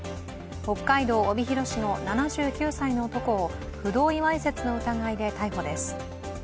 北海道帯広市の７９歳の男を不同意わいせつの疑いで逮捕です。